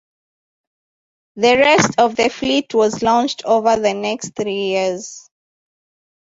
The rest of the fleet was launched over the next three years.